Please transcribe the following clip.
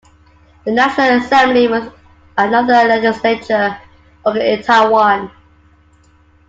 The National Assembly was another legislature organ in Taiwan.